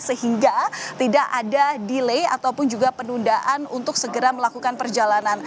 sehingga tidak ada delay ataupun juga penundaan untuk segera melakukan perjalanan